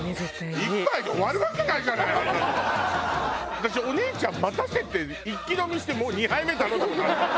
私お姉ちゃん待たせて一気飲みしてもう２杯目頼んだ事あるから。